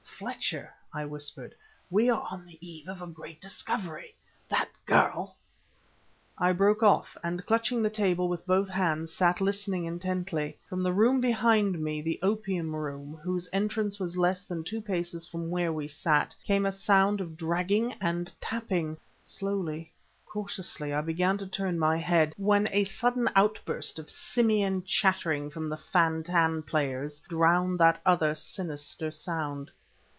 "Fletcher!" I whispered, "we are on the eve of a great discovery that girl ..." I broke off, and clutching the table with both hands, sat listening intently. From the room behind me, the opium room, whose entrance was less than two paces from where we sat, came a sound of dragging and tapping! Slowly, cautiously, I began to turn my head; when a sudden outburst of simian chattering from the fan tan players drowned that other sinister sound.